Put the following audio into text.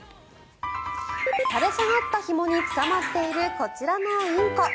垂れ下がったひもにつかまっているこちらのインコ。